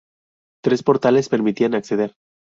Tres portales permitían acceder.